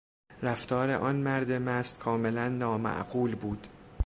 رفتار آن مرد مست کاملا نامعقول بود.